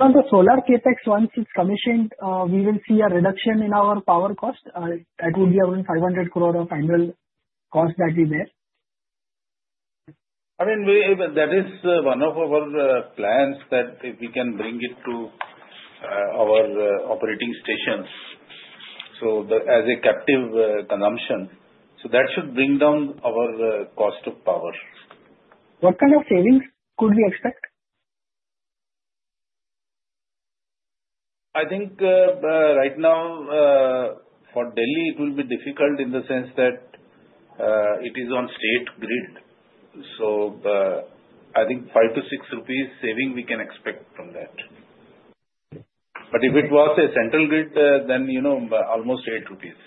On the solar CapEx, once it's commissioned, we will see a reduction in our power cost. That would be around 500 crore of annual cost that we bear. I mean, that is one of our plans that we can bring it to our operating stations, so as a captive consumption. So that should bring down our cost of power. What kind of savings could we expect? I think right now, for Delhi, it will be difficult in the sense that it is on state grid. So I think 5-6 rupees saving we can expect from that. But if it was a central grid, then almost 8 rupees.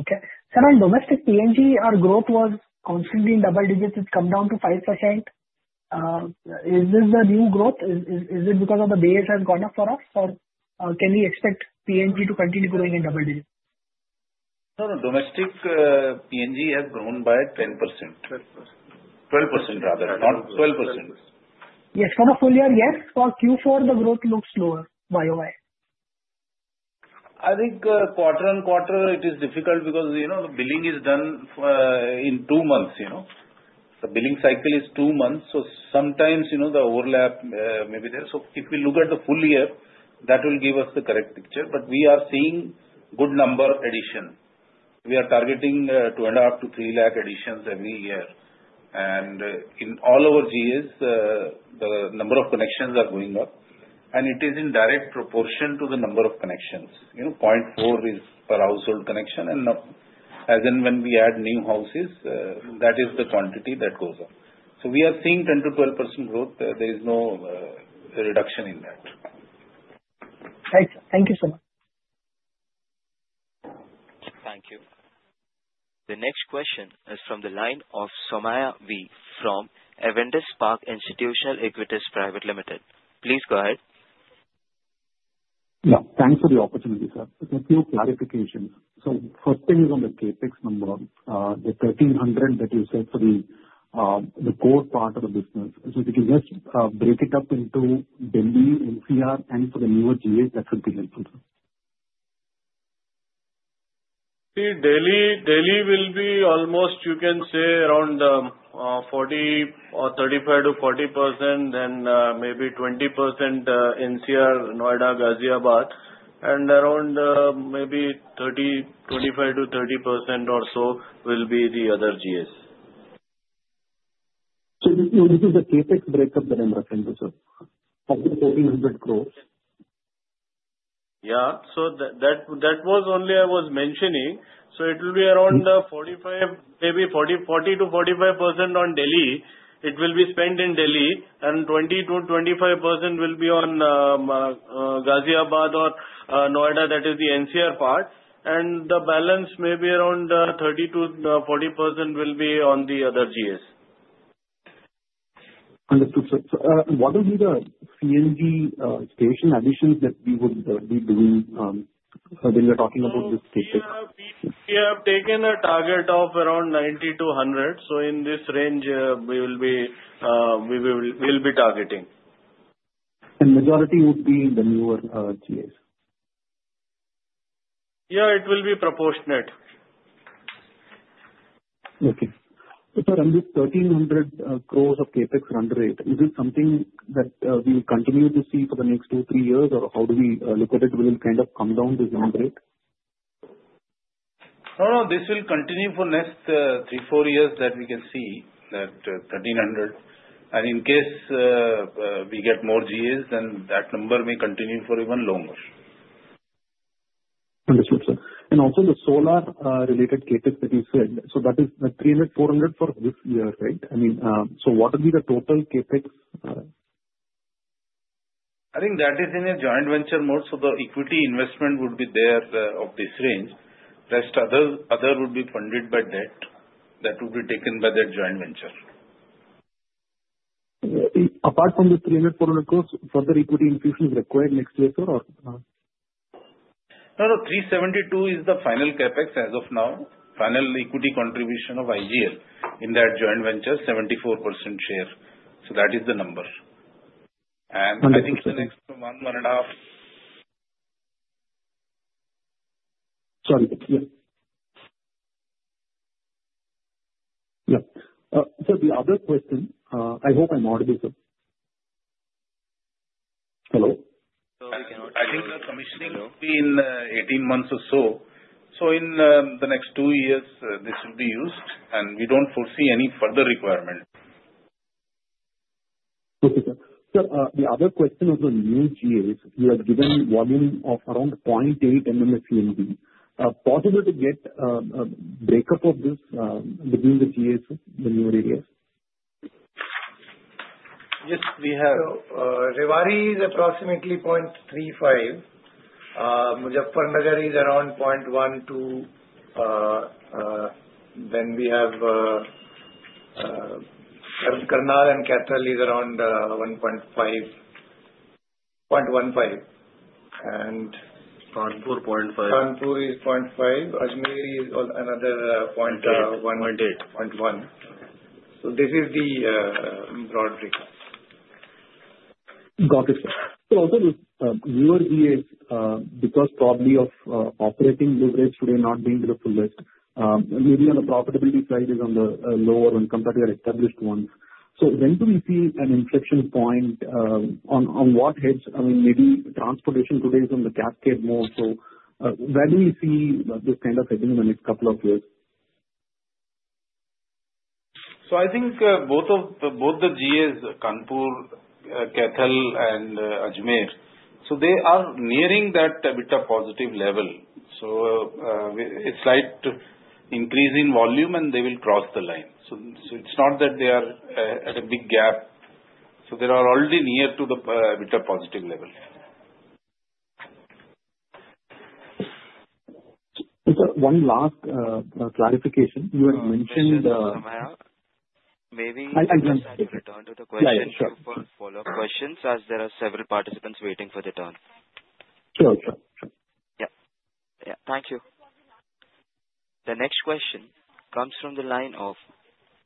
Okay. Sir, on domestic PNG, our growth was constantly in double digits. It's come down to 5%. Is this the new growth? Is it because of the base has gone up for us, or can we expect PNG to continue growing in double digits? No, no. Domestic PNG has grown by 10%. 12%. 12%, rather. Not 12%. Yes. For the full year, yes. For Q4, the growth looks slower. Why? I think quarter on quarter, it is difficult because the billing is done in two months. The billing cycle is two months. So sometimes the overlap may be there. So if we look at the full year, that will give us the correct picture. But we are seeing good number addition. We are targeting 2.5 lakh-3 lakh additions every year. And in all our GAs, the number of connections are going up. And it is in direct proportion to the number of connections. 0.4 is per household connection. And as in when we add new houses, that is the quantity that goes up. So we are seeing 10%-12% growth. There is no reduction in that. Thank you. Thank you so much. Thank you. The next question is from the line of Somaiya V. from Avendus Spark Institutional Equities Private Limited. Please go ahead. Yeah. Thanks for the opportunity, sir. A few clarifications, so first thing is on the CapEx number, the 1,300 that you said for the core part of the business, so if you can just break it up into Delhi, NCR, and for the newer GAs, that would be helpful, sir. See, Delhi will be almost, you can say, around 35%-40%, then maybe 20% NCR, Noida, Ghaziabad. Around maybe 25%-30% or so will be the other GAs. This is the CapEx breakup that I'm referring to, sir. Of the 1,400 crores. Yeah, so that was only I was mentioning, so it will be around 40%-45% on Delhi. It will be spent in Delhi, and 20%-25% will be on Ghaziabad or Noida, that is the NCR part, and the balance may be around 30%-40% will be on the other GAs. Understood, sir. What will be the CNG station additions that we would be doing when we are talking about this CapEx? We have taken a target of around 90-100. So in this range, we will be targeting. Majority would be the newer GAs? Yeah. It will be proportionate. Okay. So sir, and this 1,300 crores of CapEx run rate, is this something that we will continue to see for the next two, three years, or how do we look at it? Will it kind of come down to run rate? No, no. This will continue for the next three, four years that we can see that 1,300 crores. And in case we get more GAs, then that number may continue for even longer. Understood, sir. And also the solar-related CapEx that you said, so that is 300 crores-400 crores for this year, right? I mean, so what will be the total CapEx? I think that is in a joint venture mode. So the equity investment would be there of this range. Rest, other would be funded by debt that would be taken by that joint venture. Apart from the 300 crores-400 crores, further equity infusion is required next year, sir, or? No, 372 is the final CapEx as of now, final equity contribution of IGL in that joint venture, 74% share. So that is the number. And I think the next one, one and a half. Sorry. Yeah. Yeah. Sir, the other question, I hope I'm audible, sir. Hello? So I think the commissioning will be in 18 months or so. So in the next two years, this will be used. And we don't foresee any further requirement. Okay, sir. Sir, the other question of the new GAs, you have given volume of around 0.8 MMSCMD. Possible to get a breakup of this between the GAs, the newer areas? Yes, we have. So Rewari is approximately 0.35. Muzaffarnagar is around 0.12. Then we have Karnal and Kaithal is around 0.15. And. Kanpur 0.5. Kanpur is 0.5. Ajmer is another 0.1. 0.8. This is the broad breakup. Got it, sir. So also, the newer GAs, because probably of operating leverage today not being the fullest, maybe on the profitability side is on the lower when compared to the established ones. So when do we see an inflection point on what hedge? I mean, maybe transportation today is on the cascade mode. So where do we see this kind of hedging in the next couple of years? So I think both the GAs, Kanpur, Kaithal, and Ajmer, so they are nearing that a bit of positive level. So it's slight increase in volume, and they will cross the line. So it's not that they are at a big gap. So they are already near to the bit of positive level. Sir, one last clarification. You had mentioned. Somaia, maybe you can return to the question. Yeah. Sure. For follow-up questions as there are several participants waiting for the turn. Sure. Sure. Sure. Yeah. Yeah. Thank you. The next question comes from the line of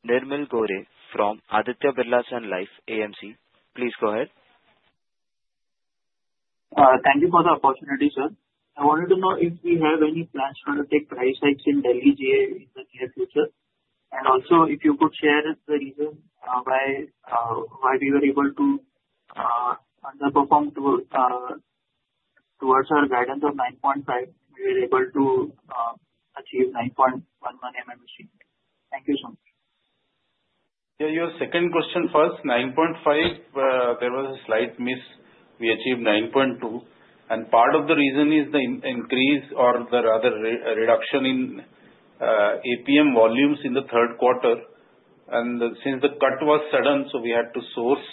Nirmal Gore from Aditya Birla Sun Life AMC. Please go ahead. Thank you for the opportunity, sir. I wanted to know if we have any plans to undertake price hikes in Delhi GA in the near future. And also, if you could share the reason why we were able to underperform towards our guidance of 9.5, we were able to achieve 9.11 MMSCM. Thank you so much. Yeah. Your second question first. 9.5, there was a slight miss. We achieved 9.2. And part of the reason is the increase or rather the reduction in APM volumes in the third quarter. And since the cut was sudden, so we had to source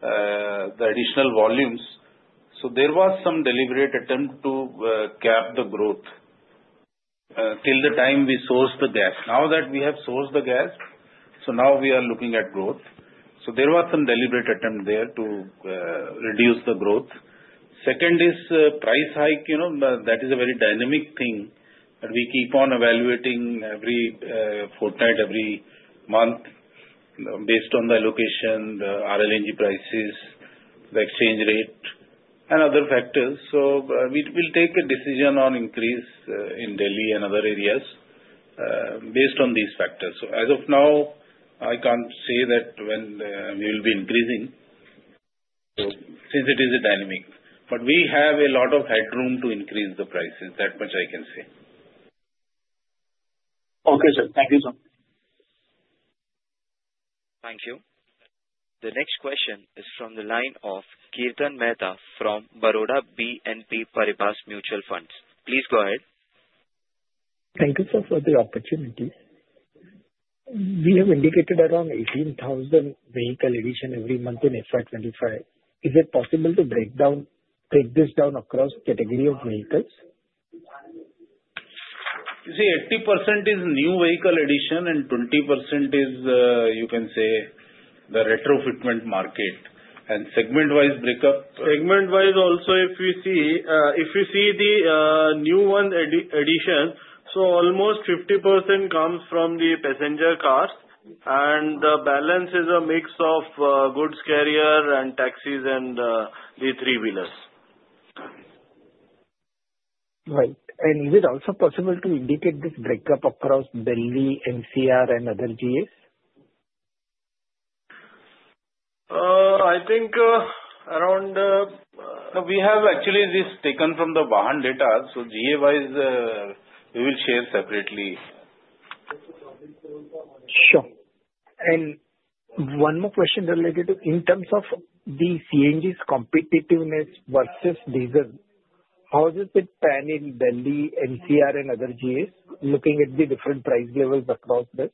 the additional volumes. So there was some deliberate attempt to cap the growth till the time we sourced the gas. Now that we have sourced the gas, so now we are looking at growth. So there was some deliberate attempt there to reduce the growth. Second is price hike. That is a very dynamic thing that we keep on evaluating every fortnight, every month, based on the allocation, the RLNG prices, the exchange rate, and other factors. So we will take a decision on increase in Delhi and other areas based on these factors. So as of now, I can't say that we will be increasing since it is a dynamic. But we have a lot of headroom to increase the prices. That much I can say. Okay, sir. Thank you, sir. Thank you. The next question is from the line of Kirtan Mehta from Baroda BNP Paribas Mutual Fund. Please go ahead. Thank you, sir, for the opportunity. We have indicated around 18,000 vehicle addition every month in FY 2025. Is it possible to break this down across category of vehicles? You see, 80% is new vehicle addition, and 20% is, you can say, the retrofitment market. And segment-wise breakup. Segment-wise, also, if you see the new vehicle addition, so almost 50% comes from the passenger cars. And the balance is a mix of goods carrier and taxis and the three-wheelers. Right. And is it also possible to indicate this breakup across Delhi, NCR, and other GAs? I think around we have actually this taken from the Vahan data. So GA-wise, we will share separately. Sure. And one more question related to in terms of the CNG's competitiveness versus diesel, how does it pan out in Delhi, NCR, and other GAs looking at the different price levels across this?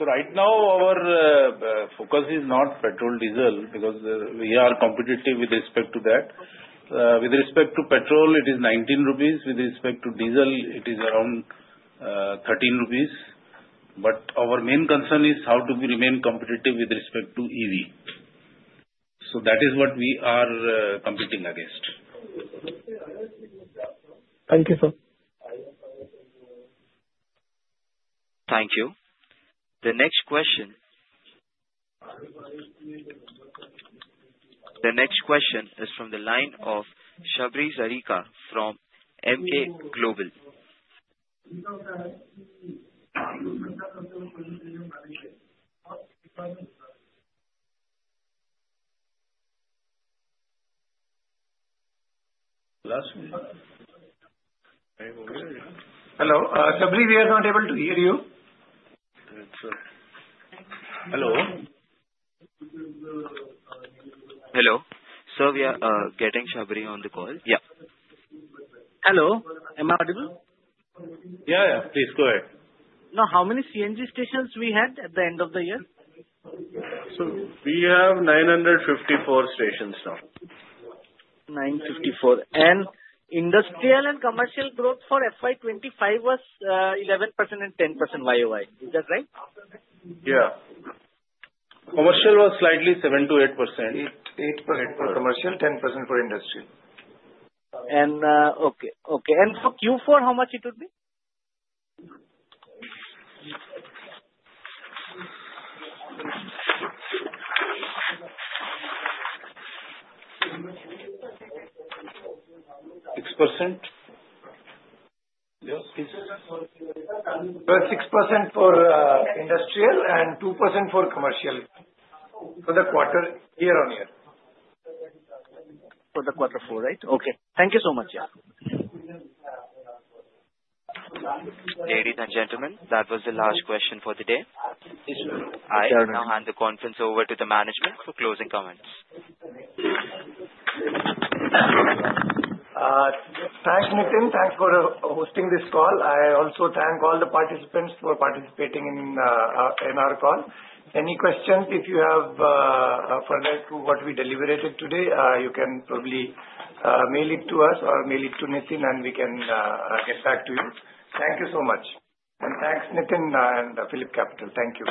Right now, our focus is not petrol, diesel, because we are competitive with respect to that. With respect to petrol, it is 19 rupees. With respect to diesel, it is around 13 rupees. But our main concern is how to remain competitive with respect to EV. That is what we are competing against. Thank you, sir. Thank you. The next question is from the line of Sabri Hazarika from Emkay Global. Hello. Sabri, we are not able to hear you. Hello. Hello. Sir, we are getting Sabri on the call. Yeah. Hello. Am I audible? Yeah. Yeah. Please go ahead. Now, how many CNG stations we had at the end of the year? We have 954 stations now. Industrial and commercial growth for FY 2025 was 11% and 10% YoY. Is that right? Yeah. Commercial was slightly 7%-8%. 8% for commercial, 10% for industrial. And okay. Okay. And for Q4, how much it would be? 6%. Yes. 6% for industrial and 2% for commercial for the quarter year-on-year. For the quarter four, right? Okay. Thank you so much. Ladies and gentlemen, that was the last question for the day. I now hand the conference over to the management for closing comments. Thanks, Nitin. Thanks for hosting this call. I also thank all the participants for participating in our call. Any questions if you have further to what we deliberated today, you can probably mail it to us or mail it to Nitin, and we can get back to you. Thank you so much. And thanks, Nitin and PhillipCapital. Thank you.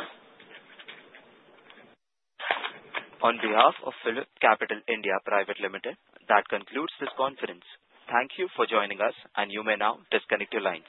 On behalf of PhillipCapital (India) Private Limited, that concludes this conference. Thank you for joining us, and you may now disconnect your lines.